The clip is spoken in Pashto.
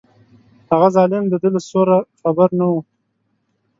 هغه ظالم د ده له سوره خبر نه و.